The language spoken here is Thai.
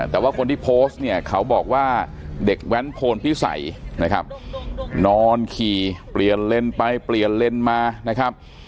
แต่ว่าคนที่โพสต์เนี่ยเขาบอกว่าเด็กแว้นโพนพิสัยนะครับนอนขี่เปลี่ยนเลนไปเปลี่ยนเลนมานะครับ